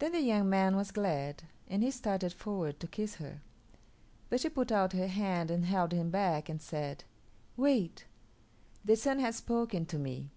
Then the young man was glad, and he started forward to kiss her, but she put out her hand and held him back, and said, "Wait; the Sun has spoken to me.